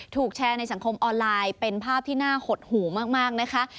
ถูกแชร์ในสังคมออนไลน์เป็นภาพที่น่าหดหูมากนะคะ